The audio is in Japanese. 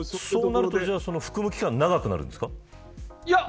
そうなると服務期間は長くなるんですか。